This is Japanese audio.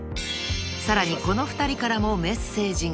［さらにこの２人からもメッセージが］